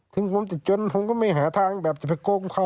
ถึงไว้ผมติดจนผมก็ไม่หาทางเกลียดไปโกงไป